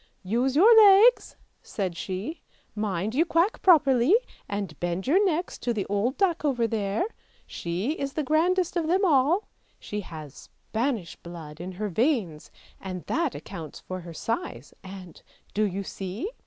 " Use your legs," said she; " mind you quack properly, and bend your necks to the old duck over there ! She is the grandest of them all; she has Spanish blood in her veins and that accounts for her size, and, do you see?